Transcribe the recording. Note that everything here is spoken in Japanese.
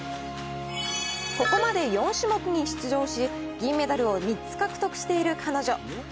ここまで４種目に出場し、銀メダルを３つ獲得している彼女。